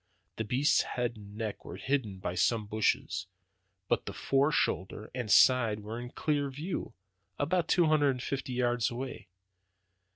The beast's head and neck were hidden by some bushes, but the fore shoulder and side were in clear view, about two hundred and fifty yards away.